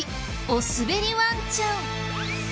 お滑りワンちゃん。